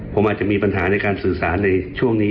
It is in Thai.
ผมอาจจะมีปัญหาในการสื่อสารในช่วงนี้